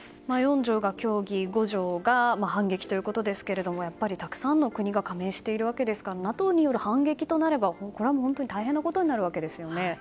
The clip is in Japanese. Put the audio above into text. ４条が協議、５条が反撃ということですけれどもたくさんの国が加盟しているわけですからＮＡＴＯによる反撃となれば大変なことになるわけですよね。